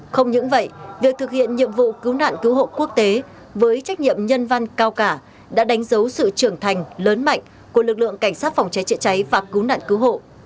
không những vậy việc thực hiện nhiệm vụ cứu nạn cứu hộ quốc tế với trách nhiệm nhân văn cao cả đã đánh dấu sự trưởng thành lớn mạnh của lực lượng cảnh sát phòng cháy chữa cháy và cứu nạn cứu hộ